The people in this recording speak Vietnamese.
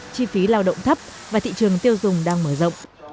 chi phí lao động thấp và thị trường tiêu dùng đang mở rộng